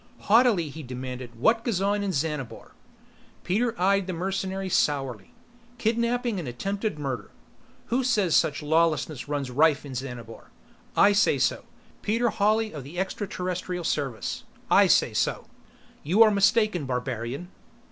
Haughtily he demanded, "What goes on in Xanabar?" Peter eyed the mercenary sourly. "Kidnaping and attempted murder." "Who says such lawlessness runs rife in Xanabar?" "I say so. Peter Hawley of the Extraterrestrial Service. I say so." "You are mistaken, barbarian."